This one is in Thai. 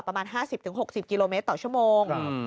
ประมาณห้าสิบถึงหกสิบกิโลเมตรต่อชั่วโมงครับ